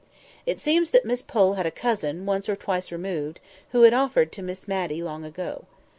It seems that Miss Pole had a cousin, once or twice removed, who had offered to Miss Matty long ago.